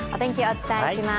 お伝えします。